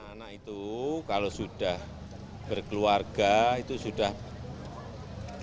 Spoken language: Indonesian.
anak anak itu kalau sudah berkeluarga itu sudah minta restu ya